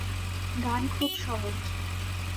গান খুব সহজ।